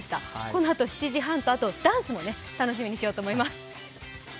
このあと７時半とあとダンスも楽しみにしようと思います。